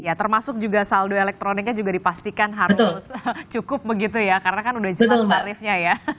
ya termasuk juga saldo elektroniknya juga dipastikan harus cukup begitu ya karena kan udah jelas mbak liftnya ya